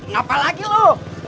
ngapain lagi lu